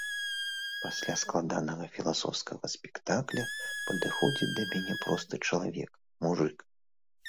Пасля складанага філасофскага спектакля падыходзіць да мяне просты чалавек, мужык.